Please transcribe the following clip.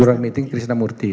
di ruang meeting krista murti